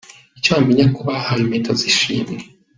Icyo wamenya ku bahawe Impeta z’Ishimwe.